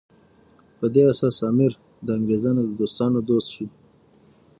په دې اساس امیر د انګریزانو د دوستانو دوست شي.